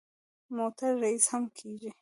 موټر ریس هم کېږي.